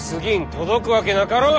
届くわけなかろう！